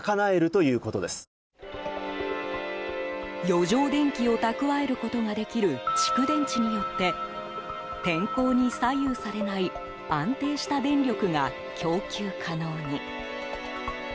余剰電気を蓄えることができる蓄電池によって天候に左右されない安定した電力が供給可能に。